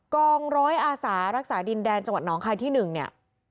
กองร้อยอาสารักษาดินแดนจังหวัดน้องคายที่๑เนี่ย